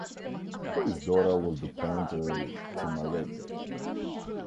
His daughter was the painter, Timarete.